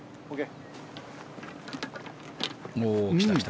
来た来た。